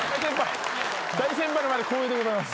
大先輩の前で光栄でございます。